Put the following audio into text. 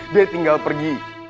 dia tinggal pergi